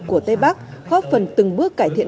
của tây bắc góp phần từng bước cải thiện